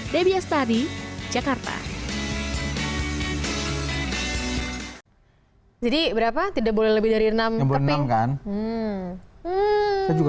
debbie astari jakarta